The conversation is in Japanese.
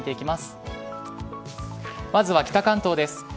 まずは北関東です。